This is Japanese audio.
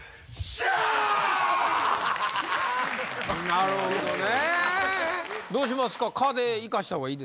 なるほどね。